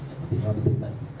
mungkin ada yang lebih berbeda